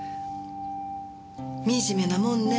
みじめなもんね。